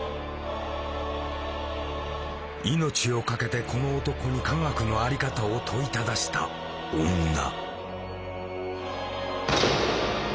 命を懸けてこの男に科学の在り方を問いただした女。